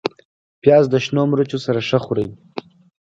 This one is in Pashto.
پیاز د شنو مرچو سره ښه خوري